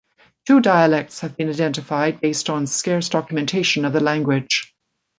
Two dialects have been identified based on scarce documentation of the language.